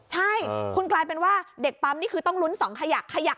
ใช่คุณกรันเป็นว่าเด็กปั๊มนี่คือต้องรุ้นส่องภาคขยัก